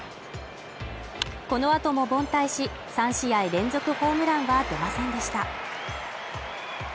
この後も凡退し、３試合連続ホームランは出ませんでした。